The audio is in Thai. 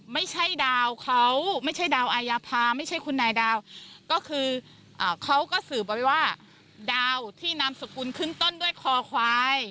ไม่ใช่ดาวเขาไม่ใช่ดาวอายาภาไม่ใช่คุณนายดาวก็คือเขาก็สืบเอาไว้ว่าดาวที่นามสกุลขึ้นต้นด้วยคอควาย